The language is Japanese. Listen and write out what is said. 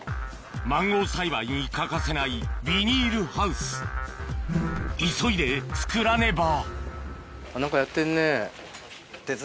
マンゴー栽培に欠かせないビニールハウス急いで作らねば何かやってんね。